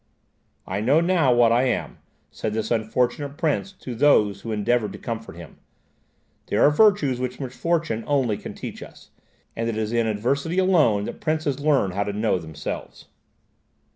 "I know now what I am," said this unfortunate prince to those who endeavoured to comfort him; "there are virtues which misfortune only can teach us, and it is in adversity alone that princes learn to know themselves."